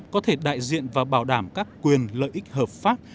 có thể đại diện và bảo đảm các quyền lợi ích hợp pháp